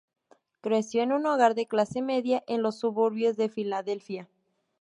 Creció en un hogar de clase media en los suburbios de Filadelfia.